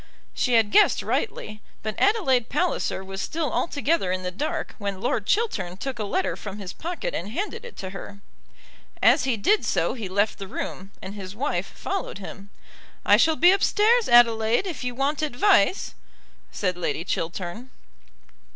She had guessed rightly, but Adelaide Palliser was still altogether in the dark when Lord Chiltern took a letter from his pocket and handed it to her. As he did so he left the room, and his wife followed him. "I shall be upstairs, Adelaide, if you want advice," said Lady Chiltern.